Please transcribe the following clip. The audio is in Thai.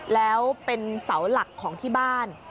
แล้วเป็นเสาหลักของที่บ้าน